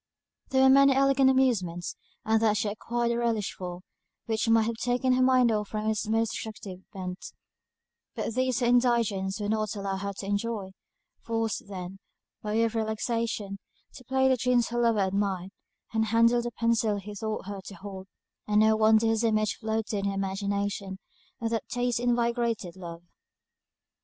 There were many elegant amusements, that she had acquired a relish for, which might have taken her mind off from its most destructive bent; but these her indigence would not allow her to enjoy: forced then, by way of relaxation, to play the tunes her lover admired, and handle the pencil he taught her to hold, no wonder his image floated on her imagination, and that taste invigorated love.